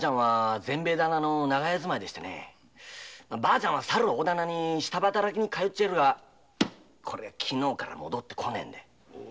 婆ちゃんはさる大店に下働きに通っているが昨日から戻って来ねえんで。